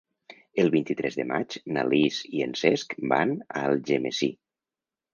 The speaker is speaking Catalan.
El vint-i-tres de maig na Lis i en Cesc van a Algemesí.